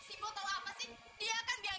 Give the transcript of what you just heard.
ibu tolong citra ibu